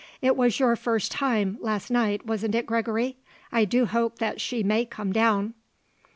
It was your first time, last night, wasn't it, Gregory? I do hope that she may come down."